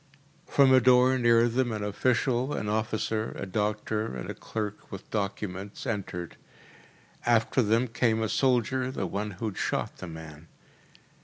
From a door near them an official, an officer, a doctor, and a clerk with documents, entered. After them came a soldier, the one who had shot the man.